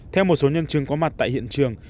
theo một số nhân chứng có mặt tại hiện trường